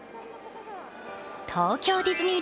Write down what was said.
東京ディズニー